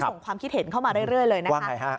ความคิดเห็นเข้ามาเรื่อยเลยนะคะ